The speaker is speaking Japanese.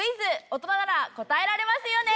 大人なら答えられますよね？